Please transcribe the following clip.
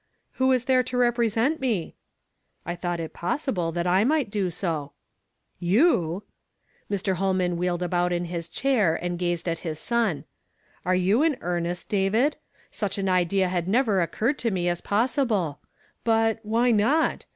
" Who is there to represent me ?"" I thought it possible that I miglit do so." " You !" :Mr. Holman wheol(>d about in his chair and gazed at his son. " Are you in earnest, David? Such an idea had never q^ciirred to me as possible. But why not?